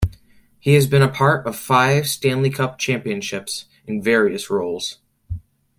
He has been a part of five Stanley Cup championships in various roles.